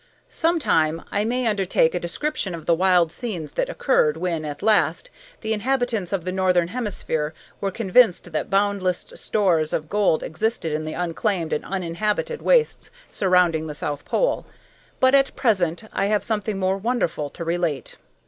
Some time I may undertake a description of the wild scenes that occurred when, at last, the inhabitants of the northern hemisphere were convinced that boundless stores of gold existed in the unclaimed and uninhabited wastes surrounding the south pole. But at present I have something more wonderful to relate.